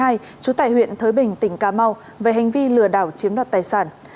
trú tại huyện thới bình tỉnh cà mau về hành vi lừa đảo chiếm đoạt tài sản